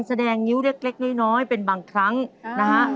แสดงงิ้วเล็กน้อยเป็นบางครั้งนะฮะ